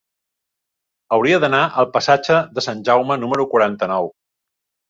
Hauria d'anar al passatge de Sant Jaume número quaranta-nou.